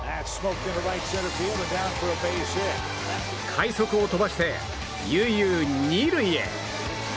快足を飛ばして悠々２塁へ。